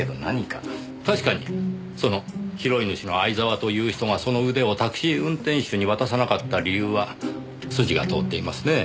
確かにその拾い主の相沢という人がその腕をタクシー運転手に渡さなかった理由は筋が通っていますねぇ。